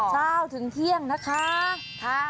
เช้าถึงเที่ยงนะคะ